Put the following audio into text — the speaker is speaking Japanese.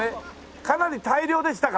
かなり大漁でしたか？